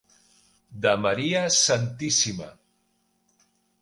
De Maria Santíssima.